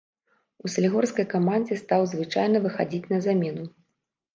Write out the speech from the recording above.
У салігорскай камандзе стаў звычайна выхадзіць на замену.